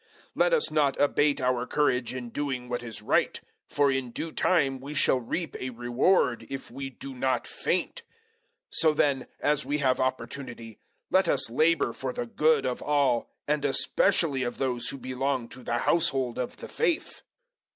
006:009 Let us not abate our courage in doing what is right; for in due time we shall reap a reward, if we do not faint. 006:010 So then, as we have opportunity, let us labour for the good of all, and especially of those who belong to the household of the faith.